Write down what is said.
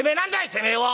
てめえは」